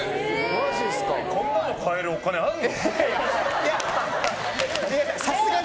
こんなの買えるお金あるの？